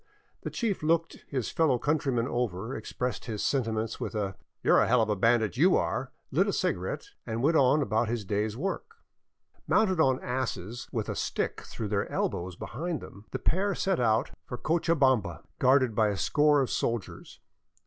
The chief looked his fellow countryman over, expressed his senti ments with a " You 're a hell of a bandit, you are," lit a cigarette, and went on about his day's work. Mounted on asses, with a stick through their elbows behind them, the pair set out for Cochabamba guarded by a score of soldiers.